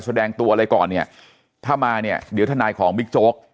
แสดงตัวอะไรก่อนเนี่ยถ้ามาเนี่ยเดี๋ยวทนายของบิ๊กโจ๊ก